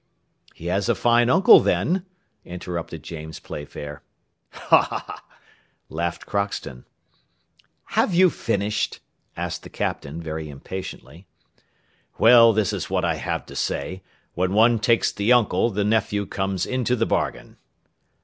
"He has a fine uncle, then," interrupted James Playfair. "Hah! Hah!" laughed Crockston. "Have you finished?" asked the Captain, very impatiently. "Well, this is what I have to say, when one takes the uncle, the nephew comes into the bargain."